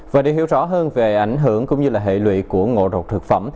và để hiểu rõ hơn về ảnh hưởng cũng như là hệ lụy của ngộ độc thực phẩm